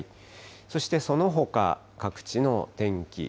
そしてそのほか、各地の天気。